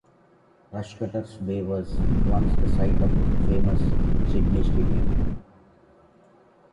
Rushcutters Bay was once the site of the famous Sydney Stadium.